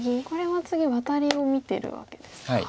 これは次ワタリを見てるわけですか。